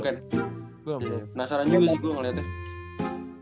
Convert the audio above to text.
penasaran juga sih gue ngeliatnya